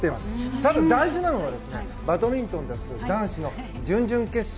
ただ、大事なのはバドミントン、男子の準々決勝。